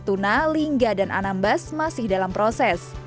tuna lingga dan anambas masih dalam proses